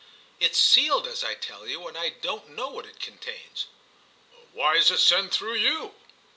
"It's sealed, as I tell you, and I don't know what it contains." "Why is it sent through you?"